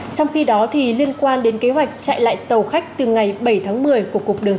trong khi đó liên quan đến kế hoạch chạy lại tàu khách từ ngày bảy tháng một mươi của cục đường sắt